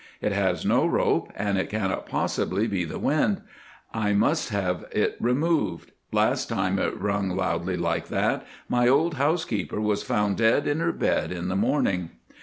It has no rope, and it cannot possibly be the wind. I must have it removed. Last time it rung loudly like that, my old housekeeper was found dead in her bed in the morning."